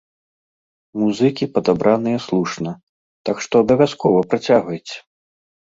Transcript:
Музыкі падабраныя слушна, так што абавязкова працягвайце!